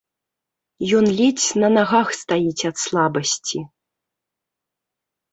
Ён ледзь на нагах стаіць ад слабасці.